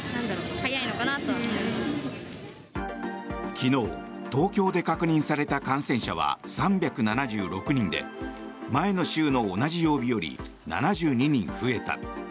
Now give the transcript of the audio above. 昨日、東京で確認された感染者は３７６人で前の週の同じ曜日より７２人増えた。